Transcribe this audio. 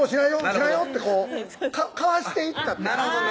「しないよ」ってこうかわしていったって感じ